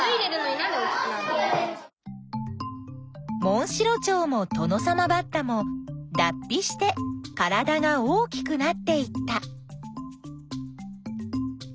モンシロチョウもトノサマバッタもだっ皮して体が大きくなっていった。